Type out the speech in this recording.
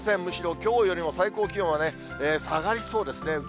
むしろきょうよりも最高気温は下がりそうですね。